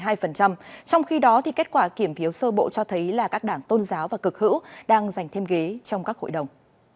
tại israel chỉ đạt bốn mươi chín hai trong khi đó thì kết quả kiểm phiếu sơ bộ cho thấy là các đảng tôn giáo và cực hữu đang dành thêm ghế trong các hội đồng